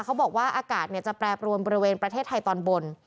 เขาบอกว่าอากาศจะแปรปรวนบริเวณประเทศไทยตอนบน